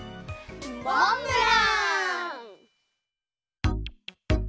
モンブラン！